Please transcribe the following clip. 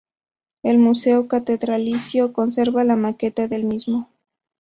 El Museo Catedralicio conserva la maqueta del mismo.